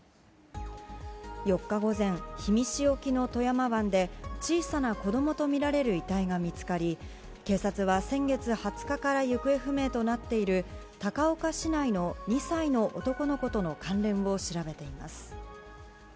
４日午前、氷見市沖の富山湾で、小さな子どもと見られる遺体が見つかり、警察は先月２０日から行方不明となっている高岡市内の２歳の男の子との関連を調べています。